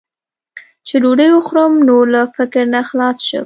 چې ډوډۍ وخورم، نور له فکر نه خلاص شم.